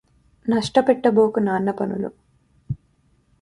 నష్టపెట్టబోకు నాన్నపనులు